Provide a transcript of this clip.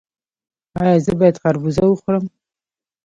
ایا زه باید خربوزه وخورم؟